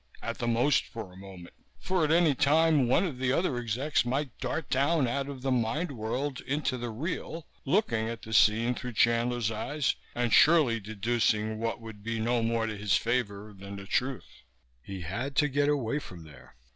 At the most for a moment, for at any time one of the other execs might dart down out of the mind world into the real, looking at the scene through Chandler's eyes and surely deducing what would be no more to his favor than the truth. He had to get away from there.